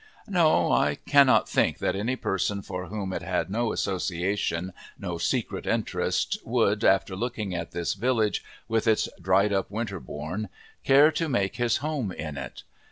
No, I cannot think that any person for whom it had no association, no secret interest, would, after looking at this village with its dried up winterbourne, care to make his home in it.